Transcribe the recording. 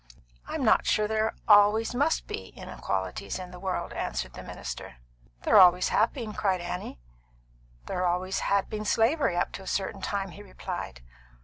"I am not sure there always must be inequalities in the world," answered the minister. "There always have been," cried Annie. "There always had been slavery, up to a certain time," he replied.